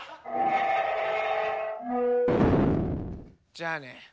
じゃあね。